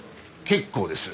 結構です。